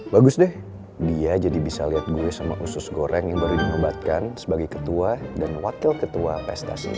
bagus deh dia jadi bisa lihat gue sama usus goreng yang baru dinobatkan sebagai ketua dan wakil ketua prestasi